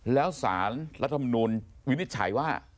แล้วสารรัฐมนูลวินิจฉัยว่า